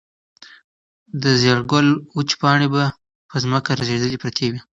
د زېړ ګل وچې پاڼې په ځمکه رژېدلې پرتې وې.